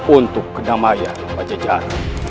untuk kenamaya pajajara